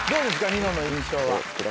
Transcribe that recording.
ニノの印象は。